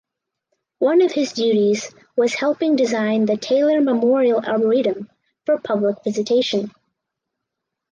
One of his duties was helping design the Taylor Memorial Arboretum for public visitation.